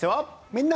「みんな！